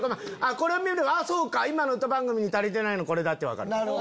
これを見れば今の歌番組に足りてないのはこれだ！って分かる。